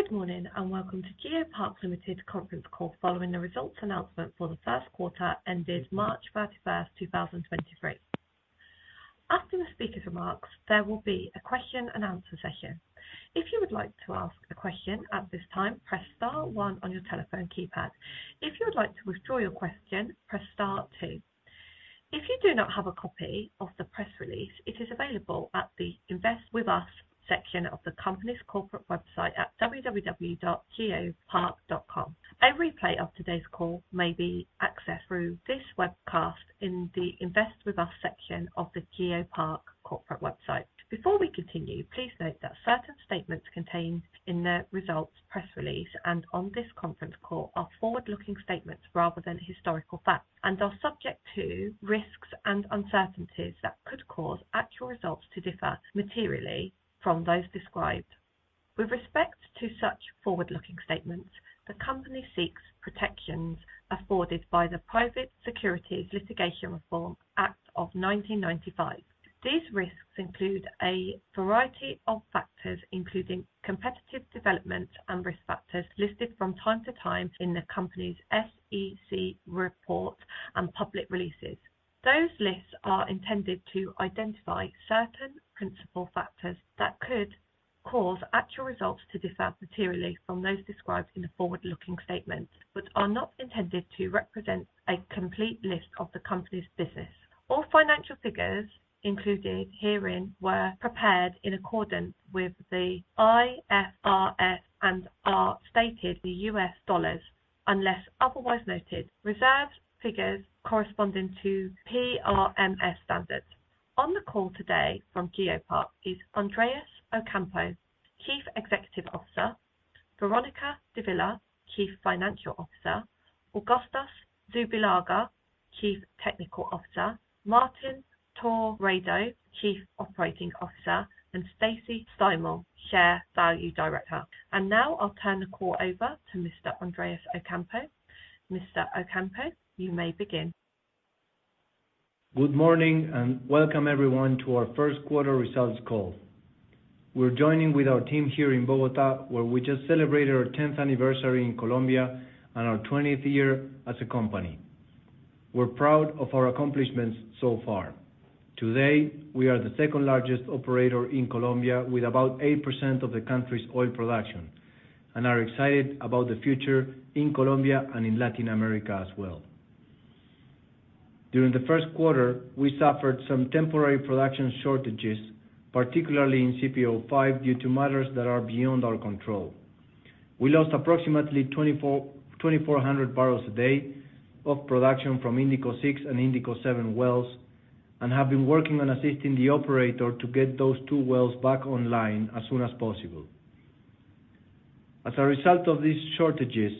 Good morning, welcome to GeoPark Limited conference call following the results announcement for the Q1 ended March 31st, 2023. After the speaker's remarks, there will be a question and answer session. If you would like to ask a question at this time, press star one on your telephone keypad. If you would like to withdraw your question, press star two. If you do not have a copy of the press release, it is available at the Invest With Us section of the company's corporate website at www.geopark.com. A replay of today's call may be accessed through this webcast in the Invest with Us section of the GeoPark corporate website. Before we continue, please note that certain statements contained in the results press release and on this conference call are forward-looking statements rather than historical facts, and are subject to risks and uncertainties that could cause actual results to differ materially from those described. With respect to such forward-looking statements, the company seeks protections afforded by the Private Securities Litigation Reform Act of 1995. These risks include a variety of factors, including competitive developments and risk factors listed from time to time in the company's SEC report and public releases. Those lists are intended to identify certain principal factors that could cause actual results to differ materially from those described in the forward-looking statements, but are not intended to represent a complete list of the company's business. All financial figures included herein were prepared in accordance with the IFRS and are stated in US dollars unless otherwise noted. Reserved figures corresponding to PRMS standards. On the call today from GeoPark is Andrés Ocampo, Chief Executive Officer, Veronica Davila, Chief Financial Officer, Augusto Zubillaga, Chief Technical Officer, Martin Terrado, Chief Operating Officer, and Stacy Steimel, Shareholder Value Director. Now I'll turn the call over to Mr. Andrés Ocampo. Mr. Ocampo, you may begin. Good morning, welcome everyone to our Q1 results call. We're joining with our team here in Bogota, where we just celebrated our 10th anniversary in Colombia and our 20th year as a company. We're proud of our accomplishments so far. Today, we are the second largest operator in Colombia with about 8% of the country's oil production, and are excited about the future in Colombia and in Latin America as well. During the Q1, we suffered some temporary production shortages, particularly in CPO-5, due to matters that are beyond our control. We lost approximately 2,400 barrels a day of production from Indico 6 and Indico 7 wells, and have been working on assisting the operator to get those two wells back online as soon as possible. As a result of these shortages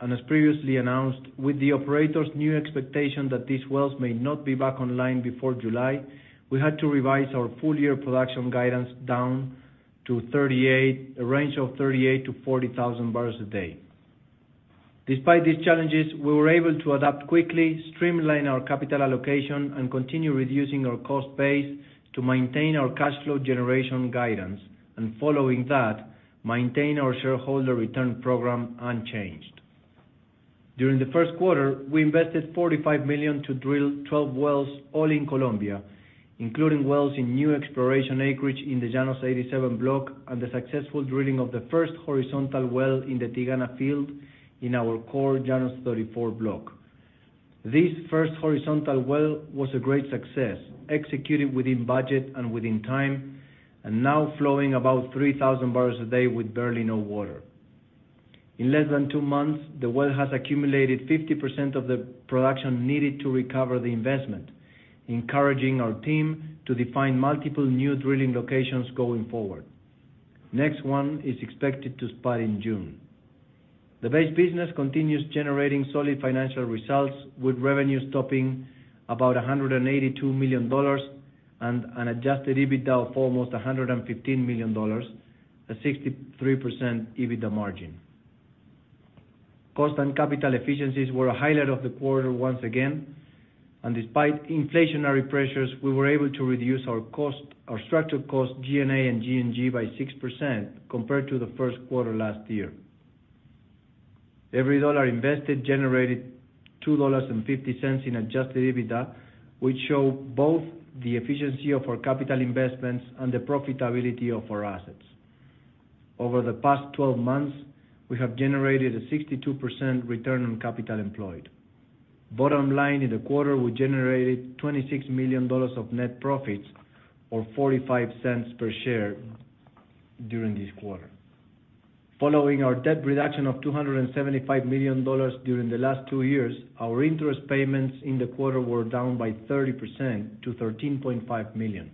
and as previously announced, with the operator's new expectation that these wells may not be back online before July, we had to revise our full year production guidance down to a range of 38,000-40,000 barrels a day. Despite these challenges, we were able to adapt quickly, streamline our capital allocation, and continue reducing our cost base to maintain our cash flow generation guidance. Following that, maintain our shareholder return program unchanged. During the Q1, we invested $45 million to drill 12 wells, all in Colombia, including wells in new exploration acreage in the Llanos 87 block and the successful drilling of the first horizontal well in the Tigana field in our core Llanos 34 block. This first horizontal well was a great success, executed within budget and within time, and now flowing about 3,000 barrels a day with barely no water. In less than 2 months, the well has accumulated 50% of the production needed to recover the investment, encouraging our team to define multiple new drilling locations going forward. Next one is expected to spot in June. The base business continues generating solid financial results, with revenues topping about $182 million and an Adjusted EBITDA of almost $115 million, a 63% EBITDA margin. Cost and capital efficiencies were high at the quarter once again, and despite inflationary pressures, we were able to reduce our cost, our structural cost, G&A and G&G by 6% compared to the Q1 last year. Every dollar invested generated $2.50 in Adjusted EBITDA, which show both the efficiency of our capital investments and the profitability of our assets. Over the past 12 months, we have generated a 62% return on capital employed. Bottom line, in the quarter, we generated $26 million of net profits or $0.45 per share during this quarter. Following our debt reduction of $275 million during the last 2 years, our interest payments in the quarter were down by 30% to $13.5 million.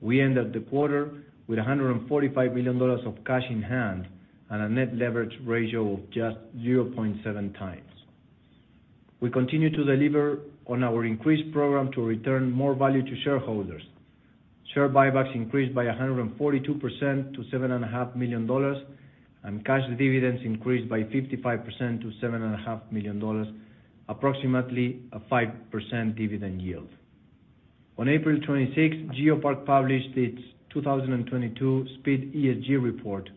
We ended the quarter with $145 million of cash in hand and a net leverage ratio of just 0.7 times. We continue to deliver on our increased program to return more value to shareholders. Share buybacks increased by 142% to $7.5 million, cash dividends increased by 55% to $7.5 million, approximately a 5% dividend yield. On April 26, GeoPark published its 2022 SPEED ESG Report,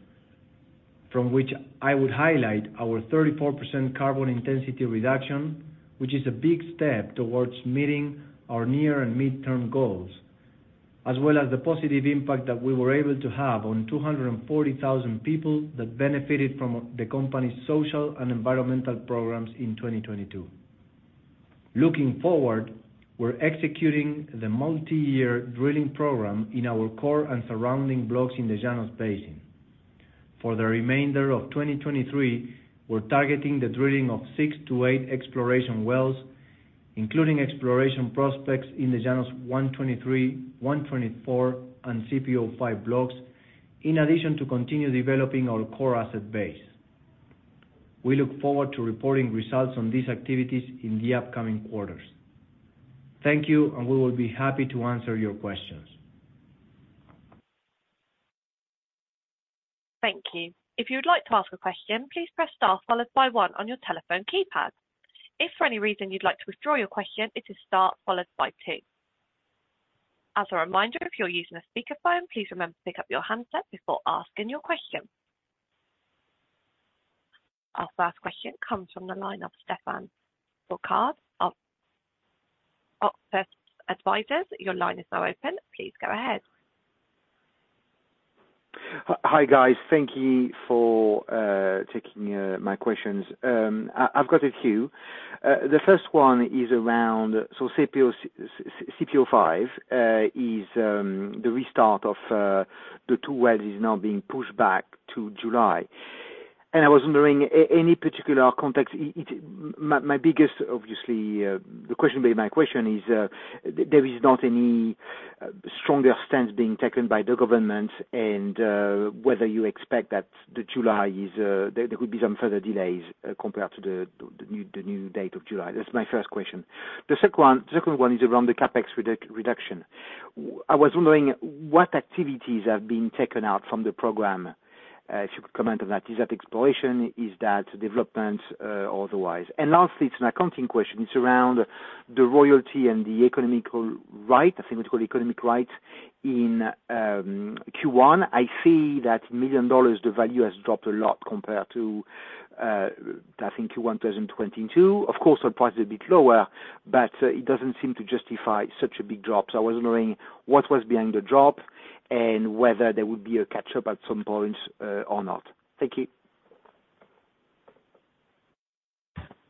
from which I would highlight our 34% carbon intensity reduction, which is a big step towards meeting our near and mid-term goals, as well as the positive impact that we were able to have on 240,000 people that benefited from the company's social and environmental programs in 2022. Looking forward, we're executing the multi-year drilling program in our core and surrounding blocks in the Llanos Basin. For the remainder of 2023, we're targeting the drilling of six to eight exploration wells, including exploration prospects in the Llanos 123, 124 and CPO-5 blocks. In addition to continue developing our core asset base. We look forward to reporting results on these activities in the upcoming quarters. Thank you, and we will be happy to answer your questions. Thank you. If you would like to ask a question, please press star followed by one on your telephone keypad. If for any reason you'd like to withdraw your question, it is star followed by two. As a reminder, if you're using a speakerphone, please remember to pick up your handset before asking your question. Our first question comes from the line of Stephane Foucaud of Auctus Advisors. Your line is now open. Please go ahead. Hi, guys. Thank you for taking my questions. I've got a few. The first one is around CPO-5 is the restart of the two wells is now being pushed back to July. I was wondering any particular context. My biggest, obviously, the question being my question is, there is not any stronger stance being taken by the government and whether you expect that the July is, there could be some further delays compared to the new date of July. That's my first question. The second one is around the CapEx reduction. I was wondering what activities have been taken out from the program. If you could comment on that. Is that exploration? Is that development, otherwise? Lastly, it's an accounting question. It's around the royalty and the economical right, I think it's called economical right, in Q1. I see that million dollars, the value has dropped a lot compared to Q1 2022. Of course, our price is a bit lower, it doesn't seem to justify such a big drop. I was wondering what was behind the drop and whether there would be a catch-up at some point or not. Thank you.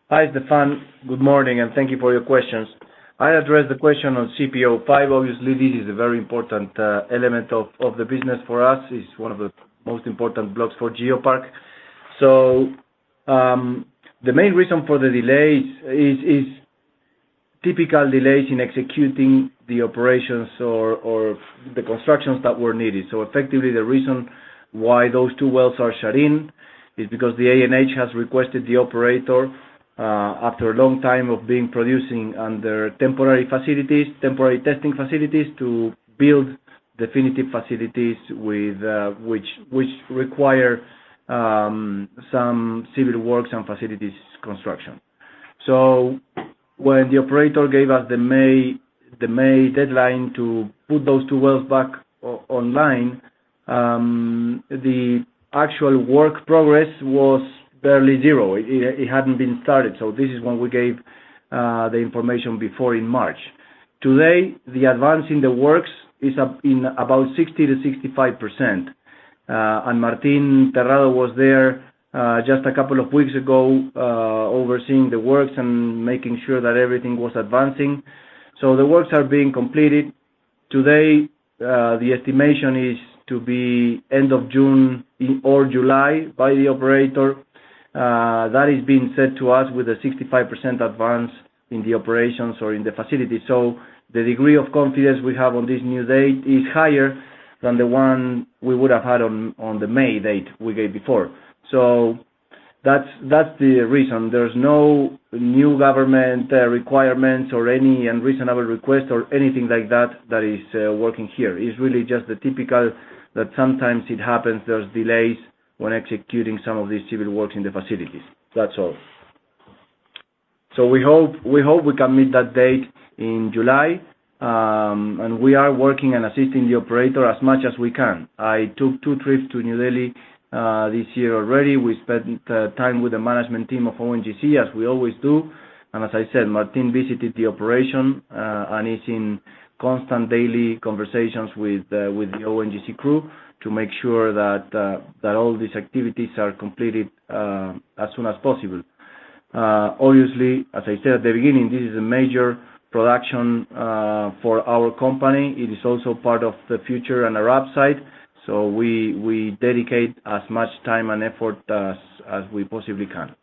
Hi, Stephane. Good morning, and thank you for your questions. I'll address the question on CPO-5. Obviously, this is a very important element of the business for us. It's one of the most important blocks for GeoPark. The main reason for the delays is typical delays in executing the operations or the constructions that were needed. Effectively, the reason why those two wells are shut in is because the ANH has requested the operator after a long time of being producing under temporary facilities, temporary testing facilities, to build definitive facilities with which require some civil works and facilities construction. When the operator gave us the May deadline to put those two wells back online, the actual work progress was barely 0. It hadn't been started. This is when we gave the information before in March. Today, the advance in the works is up in about 60-65%. Martin Terrado was there just a couple of weeks ago overseeing the works and making sure that everything was advancing. The works are being completed. Today, the estimation is to be end of June or July by the operator. That is being said to us with a 65% advance in the operations or in the facility. The degree of confidence we have on this new date is higher than the one we would have had on the May date we gave before. That's the reason. There's no new government requirements or any unreasonable request or anything like that that is working here. It's really just the typical that sometimes it happens, there's delays when executing some of these civil works in the facilities. That's all. We hope we can meet that date in July. We are working and assisting the operator as much as we can. I took two trips to New Delhi this year already. We spent time with the management team of ONGC, as we always do. As I said, Martin visited the operation and is in constant daily conversations with the ONGC crew to make sure that all these activities are completed as soon as possible. Obviously, as I said at the beginning, this is a major production for our company. It is also part of the future on our upside. We dedicate as much time and effort as we possibly can.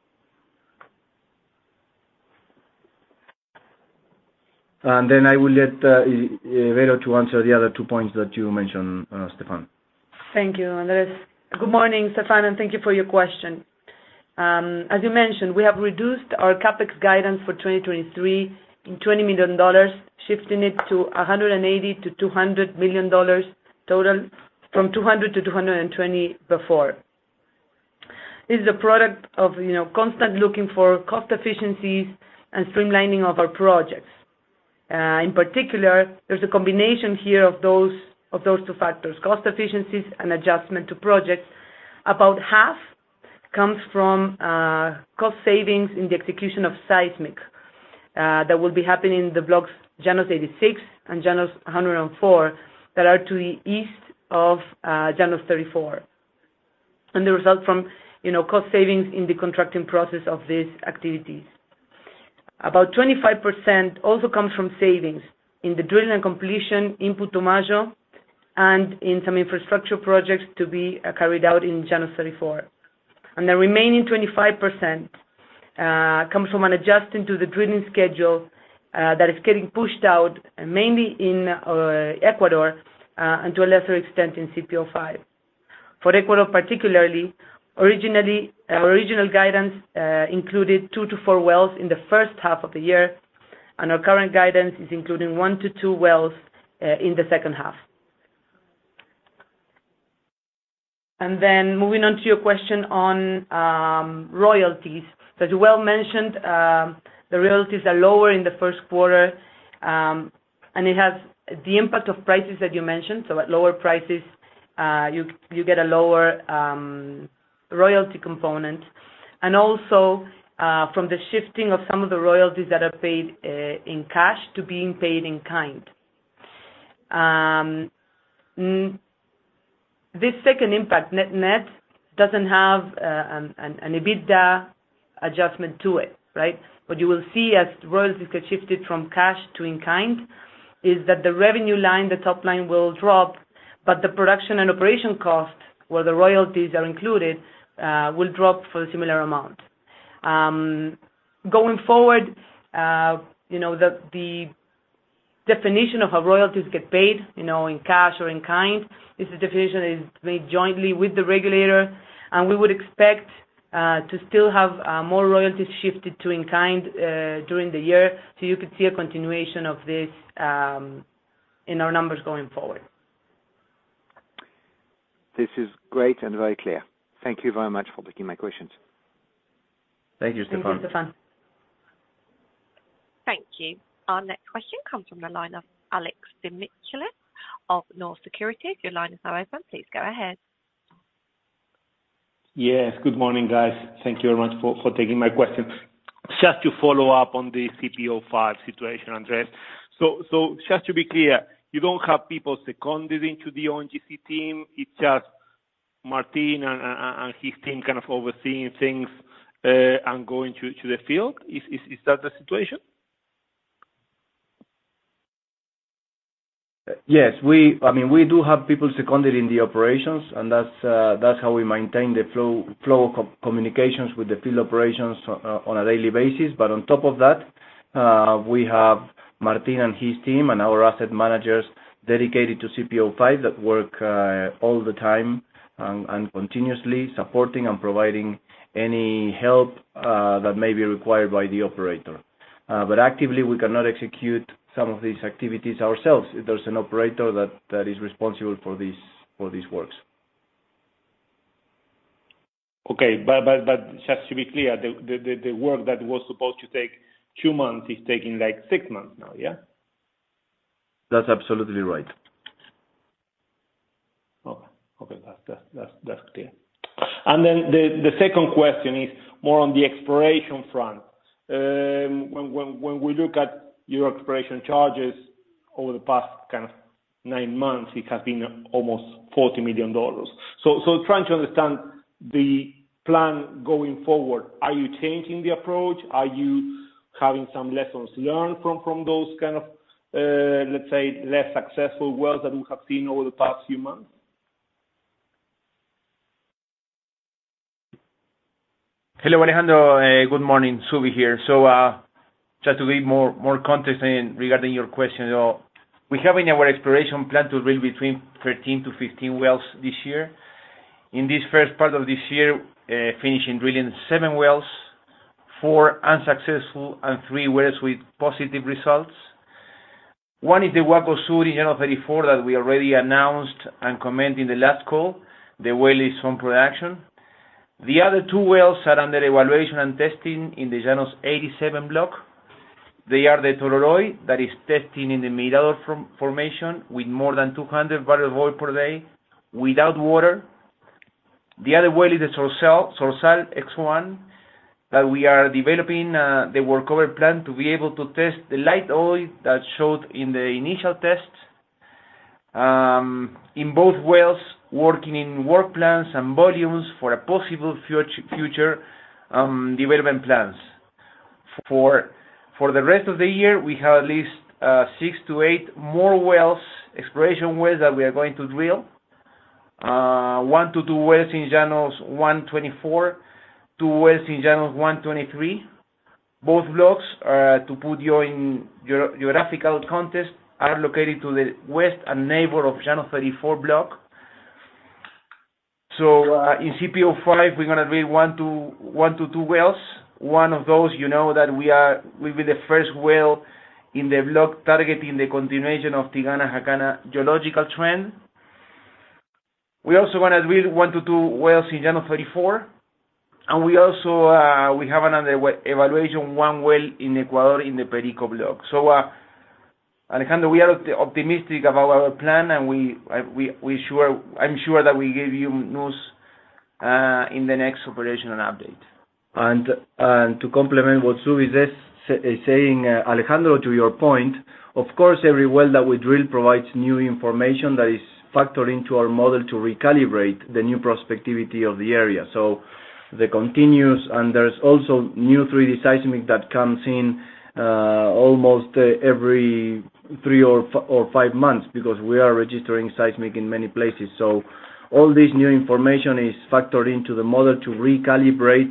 I will let Vero to answer the other two points that you mentioned, Stéphane. Thank you, Andres. Good morning, Stephane, thank you for your question. As you mentioned, we have reduced our CapEx guidance for 2023 in $20 million, shifting it to $180 million-$200 million total from $200 million-$220 million before. Is the product of, you know, constant looking for cost efficiencies and streamlining of our projects. In particular, there's a combination here of those, of those two factors, cost efficiencies and adjustment to projects. About half comes from cost savings in the execution of seismic that will be happening in the blocks Llanos 86 and Llanos 104 that are to the east of Llanos 34. The result from, you know, cost savings in the contracting process of these activities. About 25% also comes from savings in the drilling and completion input to Majó and in some infrastructure projects to be carried out in Llanos 34. The remaining 25% comes from an adjustment to the drilling schedule that is getting pushed out mainly in Ecuador and to a lesser extent in CPO-5. For Ecuador, particularly, our original guidance included 2 to 4 wells in the H1 of the year, and our current guidance is including 1 to 2 wells in the H2. Moving on to your question on royalties. As uncertain mentioned, the royalties are lower in the Q1, and it has the impact of prices that you mentioned. At lower prices, you get a lower royalty component. Also, from the shifting of some of the royalties that are paid in cash to being paid in kind. This second impact net doesn't have an EBITDA adjustment to it, right? What you will see as royalties get shifted from cash to in-kind is that the revenue line, the top line will drop, but the production and operation cost, where the royalties are included, will drop for a similar amount. Going forward, you know, the definition of how royalties get paid, you know, in cash or in kind, is a definition that is made jointly with the regulator. We would expect to still have more royalties shifted to in-kind during the year. You could see a continuation of this in our numbers going forward. This is great and very clear. Thank you very much for taking my questions. Thank you, Stephane. Thank you. Our next question comes from the line of Alejandro Demichelis of Nau Securities. Your line is now open. Please go ahead. Yes, good morning, guys. Thank you very much for taking my question. Just to follow up on the CPO-5 situation, Andres. Just to be clear, you don't have people seconded into the ONGC team. It's just Martin and his team kind of overseeing things and going to the field. Is that the situation? Yes. We... I mean, we do have people seconded in the operations, and that's how we maintain the flow of communications with the field operations on a daily basis. On top of that, we have Martin and his team and our asset managers dedicated to CPO-5 that work, all the time and continuously supporting and providing any help, that may be required by the operator. Actively, we cannot execute some of these activities ourselves. There's an operator that is responsible for these works. Okay. Just to be clear, the work that was supposed to take 2 months is taking, like, 6 months now, yeah? That's absolutely right. Okay. That's clear. Then the second question is more on the exploration front. When we look at your exploration charges over the past kind of nine months, it has been almost $40 million. Trying to understand the plan going forward, are you changing the approach? Are you having some lessons learned from those kind of, let's say, less successful wells that we have seen over the past few months? Hello, Alejandro. Good morning. Zubi here. Just to give more context regarding your question. We have in our exploration plan to drill between 13 to 15 wells this year. In this first part of this year, finishing drilling 7 wells, 4 unsuccessful and 3 wells with positive results. One is the Guaco Sur in Llanos 34 that we already announced and commented in the last call. The well is on production. The other 2 wells are under evaluation and testing in the Llanos 87 block. They are the Tololo that is testing in the middle formation with more than 200 barrels of oil per day without water. The other well is the Zorzal 1 that we are developing the workover plan to be able to test the light oil that showed in the initial test. In both wells, working in work plans and volumes for a possible future, development plans. For the rest of the year, we have at least 6-8 more wells, exploration wells that we are going to drill. one to two wells in Llanos 124, 2 wells in Llanos 123. Both blocks are, to put you in geographical context, are located to the west and neighbor of Llanos 34 block. In CPO-5, we're gonna drill one to two wells. One of those you know that will be the first well in the block targeting the continuation of Tigana-Jacana geological trend. We also wanna drill one to two wells in Llanos 34, and we also, we have another evaluation, one well in Ecuador in the Perico block. Alejandro, we are optimistic about our plan, and we, I'm sure that we give you news in the next operational update. To complement what Zubi is saying, Alejandro, to your point, of course, every well that we drill provides new information that is factored into our model to recalibrate the new prospectivity of the area. There is also new 3D seismic that comes in almost every three or five months because we are registering seismic in many places. All this new information is factored into the model to recalibrate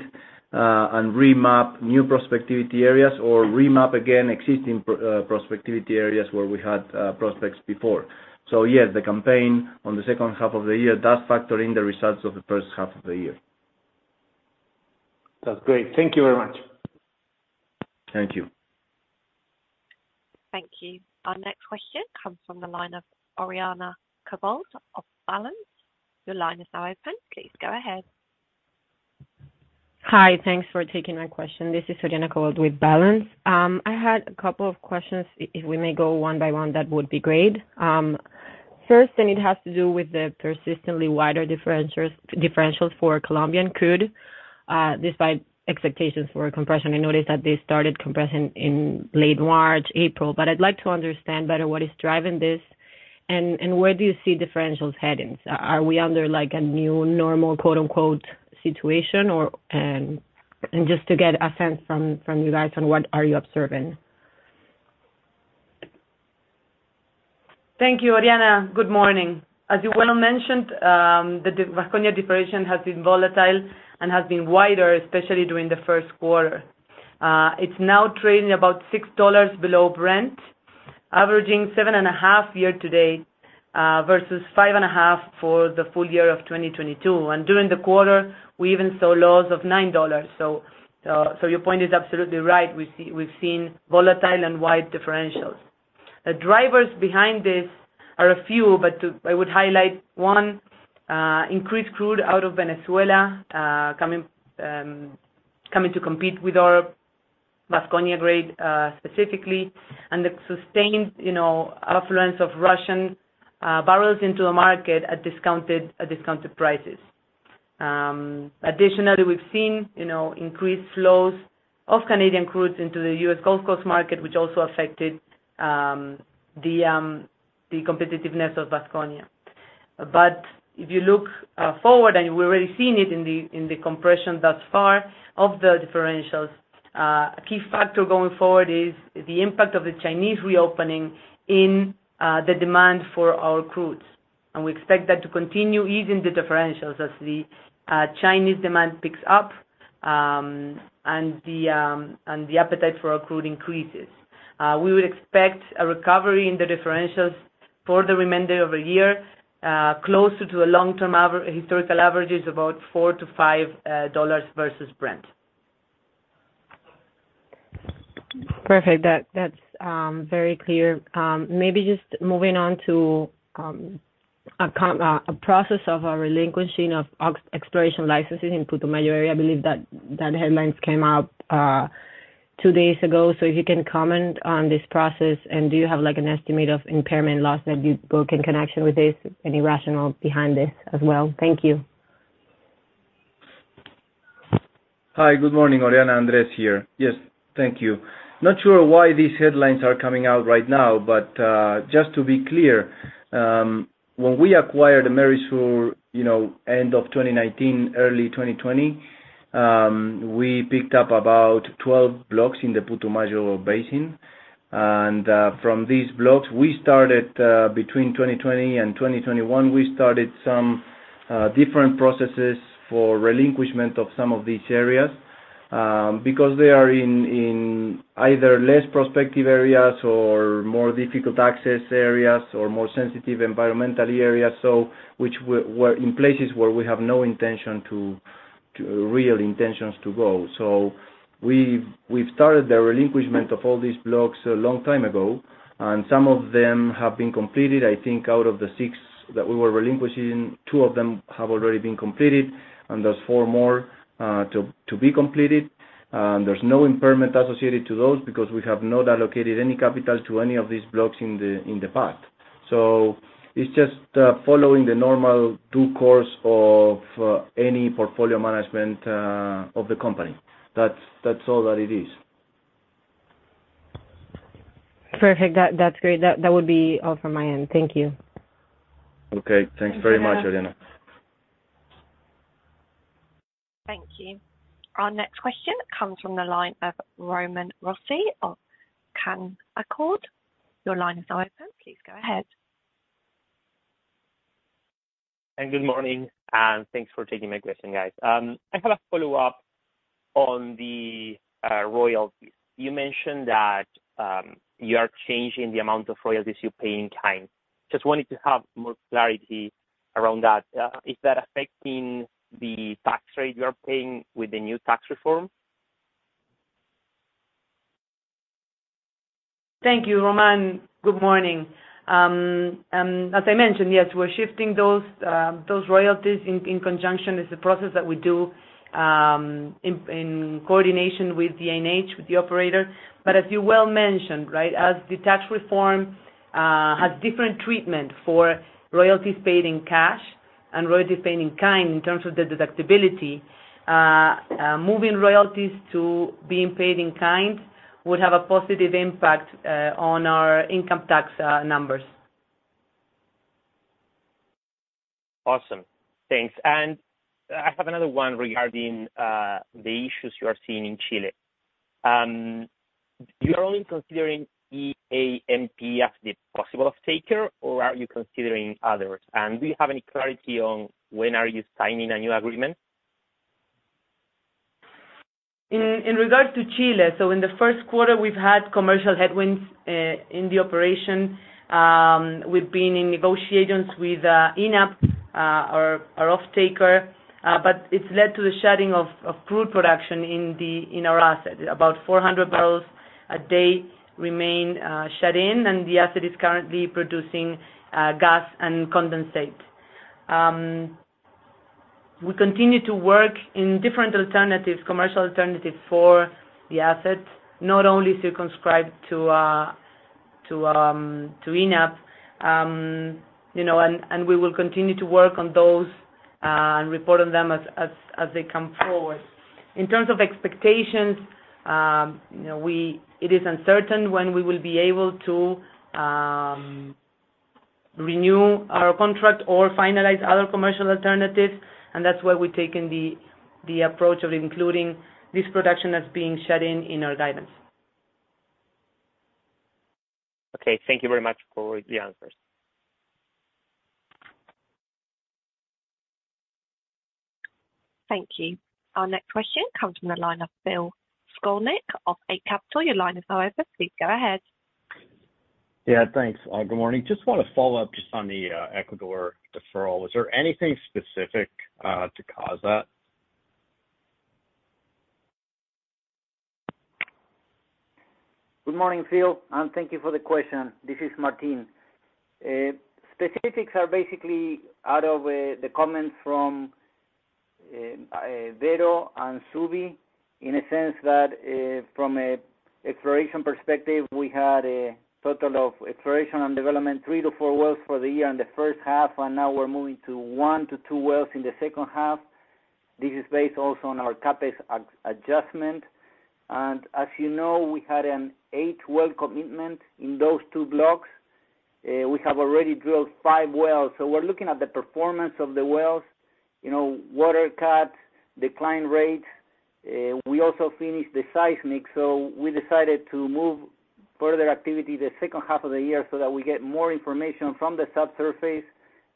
and remap new prospectivity areas or remap again existing prospectivity areas where we had prospects before. Yes, the campaign on the H2 of the year does factor in the results of the H1 of the year. That's great. Thank you very much. Thank you. Thank you. Our next question comes from the line of Oriana Covault of Balanz Capital. Your line is now open. Please go ahead. Hi. Thanks for taking my question. This is Oriana Covault with Balanz. I had a couple of questions. If we may go one by one, that would be great. First, it has to do with the persistently wider differentials for Colombian crude, despite expectations for a compression. I noticed that they started compressing in late March, April. I'd like to understand better what is driving this and where do you see differentials heading? Are we under, like, a new normal, quote-unquote, situation? Just to get a sense from you guys on what are you observing. Thank you, Oriana. Good morning. As you well mentioned, the Vasconia depression has been volatile and has been wider, especially during the Q1. It's now trading about $6 below Brent, averaging seven and a half year-to-date, versus five and a half for the full year of 2022. During the quarter, we even saw lows of $9. Your point is absolutely right. We've seen volatile and wide differentials. The drivers behind this are a few, but I would highlight one, increased crude out of Venezuela, coming to compete with our Vasconia grade, specifically, and the sustained, you know, affluence of Russian barrels into the market at discounted prices. Additionally, we've seen, you know, increased flows of Canadian crudes into the US Gulf Coast market, which also affected the competitiveness of Vasconia. If you look forward, and we're already seeing it in the compression thus far of the differentials, a key factor going forward is the impact of the Chinese reopening in the demand for our crudes. We expect that to continue easing the differentials as the Chinese demand picks up, and the appetite for our crude increases. We would expect a recovery in the differentials for the remainder of the year, closer to the long-term historical averages, about $4-$5 versus Brent. Perfect. That's very clear. Maybe just moving on to a process of a relinquishing of ex-exploration licenses in Putumayo area. I believe that headlines came out two days ago. If you can comment on this process, and do you have, like, an estimate of impairment loss that you book in connection with this? Any rationale behind this as well? Thank you. Hi. Good morning, Oriana. Andres here. Yes. Thank you. Not sure why these headlines are coming out right now, just to be clear, when we acquired Amerisur Resources, end of 2019, early 2020, we picked up about 12 blocks in the Putumayo Basin. From these blocks, we started, between 2020 and 2021, we started some different processes for relinquishment of some of these areas, because they are in either less prospective areas or more difficult access areas or more sensitive environmental areas, so which were in places where we have no intention to real intentions to go. We've started the relinquishment of all these blocks a long time ago, and some of them have been completed. I think out of the 6 that we were relinquishing, 2 of them have already been completed, and there's 4 more to be completed. There's no impairment associated to those because we have not allocated any capital to any of these blocks in the past. It's just following the normal due course of any portfolio management of the company. That's all that it is. Perfect. That's great. That would be all from my end. Thank you. Okay. Thanks very much, Oriana. Thank you. Our next question comes from the line of Roman Rossi of Canaccord. Your line is now open. Please go ahead. Good morning, and thanks for taking my question, guys. I have a follow-up on the royalties. You mentioned that you are changing the amount of royalties you pay in kind. Just wanted to have more clarity around that. Is that affecting the tax rate you're paying with the new tax reform? Thank you, Roman. Good morning. As I mentioned, yes, we're shifting those royalties in conjunction. It's a process that we do in coordination with ANH, with the operator. As you well mentioned, right, as the tax reform has different treatment for royalties paid in cash and royalties paid in kind in terms of the deductibility, moving royalties to being paid in kind would have a positive impact on our income tax numbers. Awesome. Thanks. I have another one regarding the issues you are seeing in Chile. You are only considering ENAP as the possible offtaker or are you considering others? Do you have any clarity on when are you signing a new agreement? In regards to Chile, in the Q1, we've had commercial headwinds in the operation. We've been in negotiations with ENAP, our offtaker. It's led to the shutting of crude production in our asset. About 400 barrels a day remain shut in, and the asset is currently producing gas and condensate. We continue to work in different alternatives, commercial alternatives for the assets, not only circumscribed to ENAP, you know, and we will continue to work on those and report on them as they come forward. In terms of expectations, you know, it is uncertain when we will be able to renew our contract or finalize other commercial alternatives, that's why we're taking the approach of including this production as being shut in in our guidance. Okay. Thank you very much for the answers. Thank you. Our next question comes from the line of Philip Skolnick of Eight Capital. Your line is now open. Please go ahead. Yeah. Thanks. Good morning. Just wanna follow up just on the Ecuador deferral. Was there anything specific to cause that? Good morning, Phil, and thank you for the question. This is Martin. Specifics are basically out of the comments from Vero and Subi in a sense that from a exploration perspective, we had a total of exploration and development, 3-4 wells for the year in the H1, and now we're moving to one to two wells in the H2. This is based also on our CapEx ad-adjustment. As you know, we had an 8-well commitment in those two blocks. We have already drilled 5 wells. We're looking at the performance of the wells, you know, water cut, decline rates. We also finished the seismic, so we decided to move further activity the H2 of the year so that we get more information from the subsurface,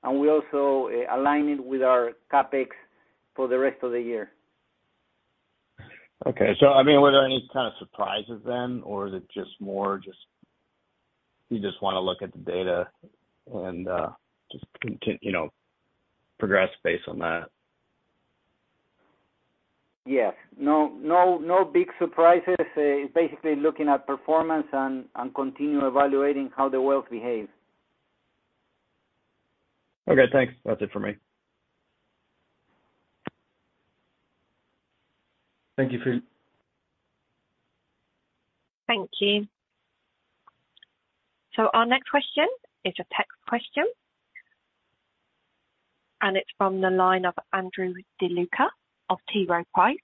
and we also align it with our CapEx for the rest of the year. Okay. I mean, were there any kind of surprises then, or is it just more just you just wanna look at the data and, you know, progress based on that? Yes. No, no big surprises. It's basically looking at performance and continue evaluating how the wells behave. Okay, thanks. That's it for me. Thank you, Phil. Thank you. Our next question is a text question, and it's from the line of Andrew De Luca of T. Rowe Price,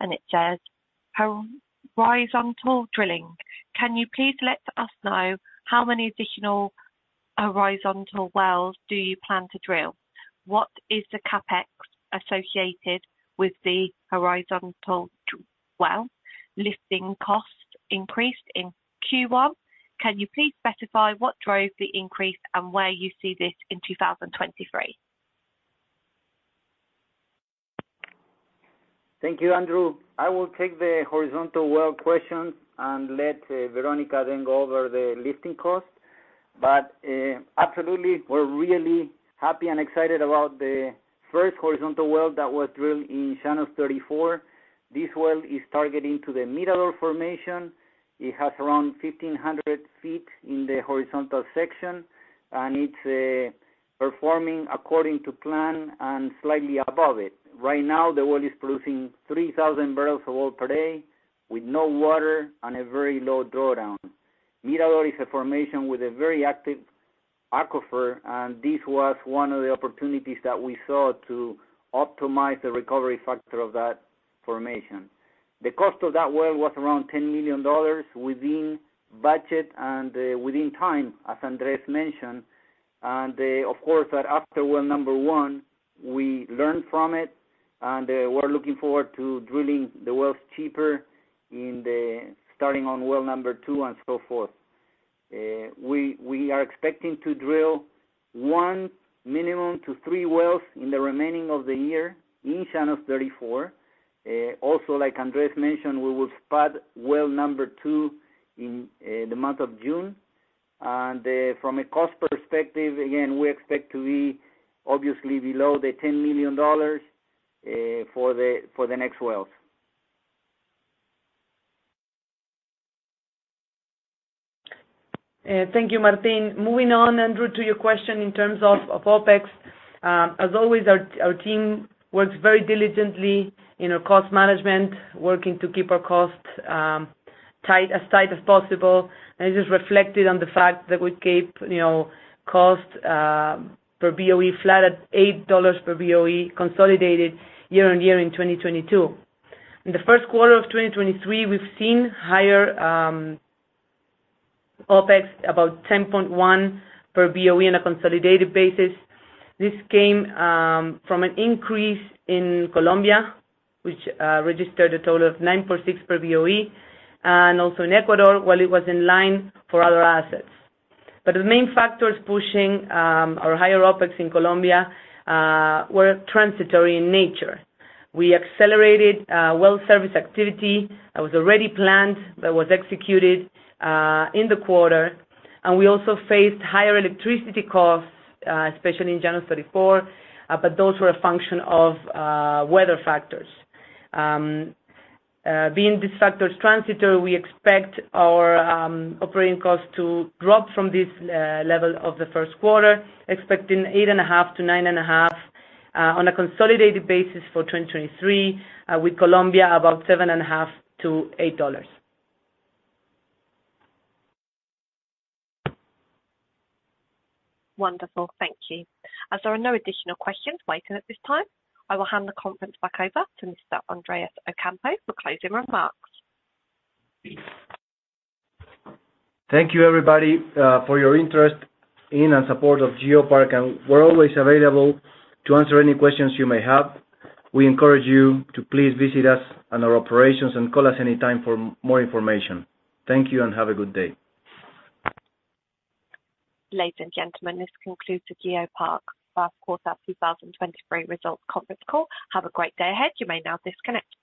and it says, "Horizontal drilling. Can you please let us know how many additional horizontal wells do you plan to drill? What is the CapEx associated with the horizontal well? Lifting costs increased in Q1. Can you please specify what drove the increase and where you see this in 2023? Thank you, Andrew. I will take the horizontal well question and let Veronica then go over the lifting cost. Absolutely, we're really happy and excited about the first horizontal well that was drilled in Llanos 34. This well is targeting to the Mirador formation. It has around 1,500 feet in the horizontal section, and it's performing according to plan and slightly above it. Right now, the well is producing 3,000 barrels of oil per day with no water and a very low drawdown. Mirador is a formation with a very active aquifer, and this was one of the opportunities that we saw to optimize the recovery factor of that formation. The cost of that well was around $10 million within budget and within time, as Andres mentioned. Of course, at after well number one, we learned from it, we're looking forward to drilling the wells cheaper starting on well number two and so forth. We are expecting to drill one minimum to three wells in the remaining of the year in Llanos 34. Also, like Andres mentioned, we will spud well number two in the month of June. From a cost perspective, again, we expect to be obviously below the $10 million for the next wells. Thank you, Martin. Moving on, Andrew, to your question in terms of OpEx. As always, our team works very diligently in our cost management, working to keep our costs tight, as tight as possible. This is reflected on the fact that we keep, you know, costs per BOE flat at $8 per BOE consolidated year-on-year in 2022. In the Q1 of 2023, we've seen higher OpEx, about $10.1 per BOE on a consolidated basis. This came from an increase in Colombia, which registered a total of $9.6 per BOE, and also in Ecuador, while it was in line for other assets. The main factors pushing our higher OpEx in Colombia were transitory in nature. We accelerated well service activity that was already planned, that was executed in the quarter. We also faced higher electricity costs, especially in Llanos 34, those were a function of weather factors. Being these factors transitory, we expect our operating costs to drop from this level of the Q1, expecting $8.50-$9.50 on a consolidated basis for 2023, with Colombia about $7.50-$8.00. Wonderful. Thank you. As there are no additional questions waiting at this time, I will hand the conference back over to Mr. Andrés Ocampo for closing remarks. Thank you, everybody, for your interest in and support of GeoPark, and we're always available to answer any questions you may have. We encourage you to please visit us and our operations and call us any time for more information. Thank you and have a good day. Ladies and gentlemen, this concludes the GeoPark Q1 2023 Results Conference Call. Have a great day ahead. You may now disconnect.